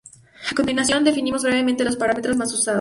A continuación definimos brevemente los parámetros más usados.